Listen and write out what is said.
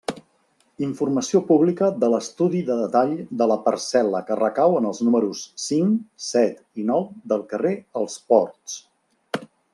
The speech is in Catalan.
Informació pública de l'estudi de detall de la parcel·la que recau en els números cinc, set i nou del carrer Els Ports.